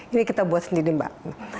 ini kita buat sendiri mbak